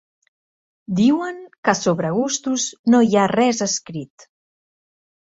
Diuen que sobre gustos no hi ha res escrit.